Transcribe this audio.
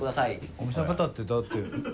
「お店の方」ってだって。